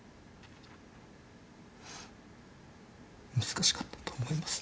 難しかったと思います。